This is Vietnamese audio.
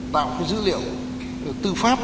tạo dữ liệu tư pháp